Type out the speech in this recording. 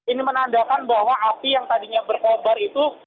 ini menandakan bahwa api yang tadinya berkobar itu